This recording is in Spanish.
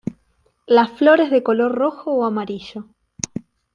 Las flores de color rojo o amarillo.